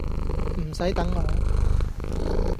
唔洗等我